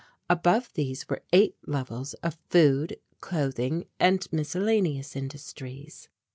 Above these were eight levels of Food, Clothing and Miscellaneous industries.